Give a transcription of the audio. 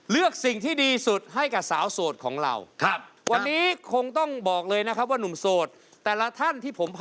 เลือกสิ่งที่ดีสุดให้กับสาวโสดของเรา